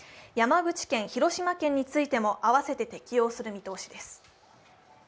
山口県、広島県についてもあわせて適用する見通しです。